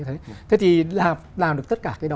thế thì làm được tất cả